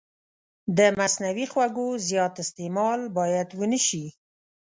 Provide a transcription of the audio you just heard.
د مصنوعي خوږو زیات استعمال باید ونه شي.